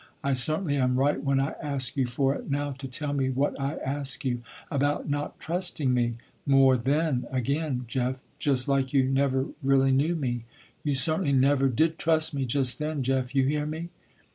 I certainly am right when I ask you for it now, to tell me what I ask you, about not trusting me more then again, Jeff, just like you never really knew me. You certainly never did trust me just then, Jeff, you hear me?"